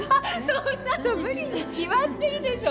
そんなの無理に決まってるでしょ。